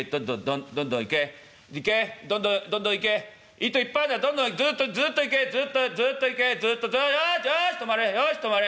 どんどん行け行けどんどん行け糸いっぱいあんだどんどんずっとずっと行けずっとずっと行けずっとよしよし止まれよし止まれ。